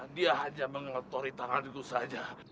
dia hanya mengotori tangan itu saja